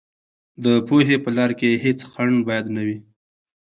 د پوهې په لار کې هېڅ خنډ باید نه وي.